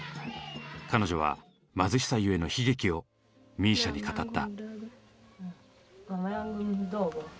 彼女は貧しさゆえの悲劇をＭＩＳＩＡに語った。